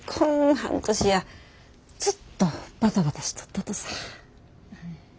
半年やずっとバタバタしとったとさ。